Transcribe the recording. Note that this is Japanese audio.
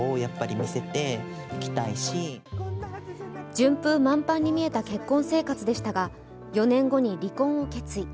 順風満帆に見えた結婚生活でしたが、４年後に離婚を決意。